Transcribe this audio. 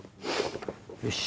よし。